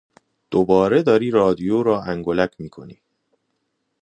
دوباره داری رادیو را انگولک میکنی!